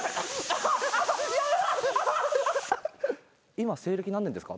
今西暦何年ですか？